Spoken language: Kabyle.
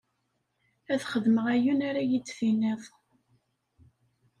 Ad xedmeɣ ayen ara iyi-d-tiniḍ.